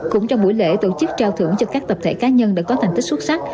cũng trong buổi lễ tổ chức trao thưởng cho các tập thể cá nhân đã có thành tích xuất sắc